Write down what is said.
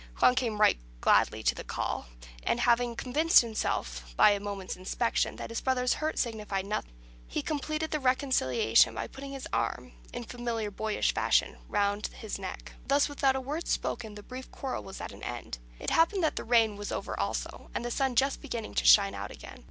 Juan came right gladly at the call; and having convinced himself, by a moment's inspection, that his brother's hurt signified nothing, he completed the reconciliation by putting his arm, in familiar boyish fashion, round his neck. Thus, without a word spoken, the brief quarrel was at an end. It happened that the rain was over also, and the sun just beginning to shine out again.